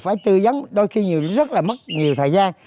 phải tư dấn đôi khi rất là mất nhiều thời gian